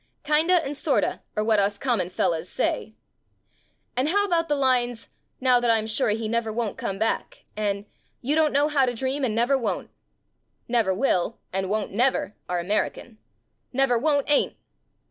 Kinda and aorta are what us common fellas say. And how about the lines, "Now that I'm sure he never won't come back" and "You don't know how to dream and never won't"? Never vnU and VH)n't never are American. Never won't ain't.